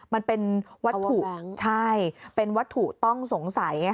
มันเป็นวัตถุใช่เป็นวัตถุต้องสงสัย